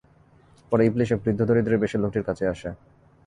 পরে ইবলীস এক বৃদ্ধ দরিদ্রের বেশে লোকটির কাছে আসে।